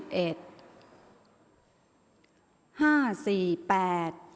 ออกรางวัลที่๖เลขที่๗